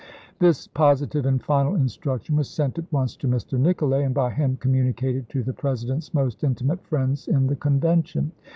This positive and final instruction was sent at once to Mr. Nicolay, and by him communicated to the President's most intimate friends in the Con vention.